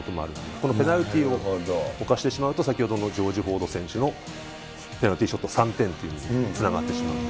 このペナルティーをおかしてしまうと先ほどのジョージ・フォード選手のペナルティーショット３点というのにつながってしまうと。